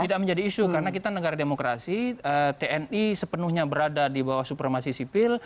tidak menjadi isu karena kita negara demokrasi tni sepenuhnya berada di bawah supremasi sipil